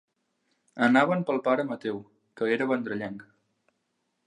Anaven pel pare Mateu, que era vendrellenc.